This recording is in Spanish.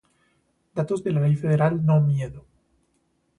Datos de la Ley Federal No Miedo